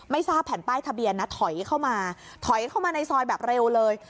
ทราบแผ่นป้ายทะเบียนนะถอยเข้ามาถอยเข้ามาในซอยแบบเร็วเลย